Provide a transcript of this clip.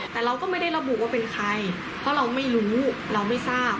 แต่เราก็ไม่ได้ระบุว่าเป็นใครเพราะเราไม่รู้เราไม่ทราบ